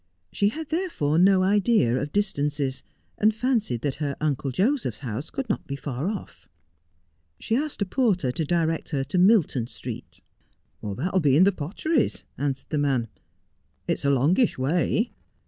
She had therefore no idea of distances, and fancied that her Uncle Joseph's house could not be far oif. She asked a porter to direct her to Milton Street. ' That will be in the Potteries,' answered the man. ' It's a longish way.